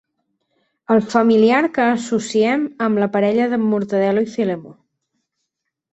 El familiar que associem amb la parella d'en Mortadel·lo i Filemó.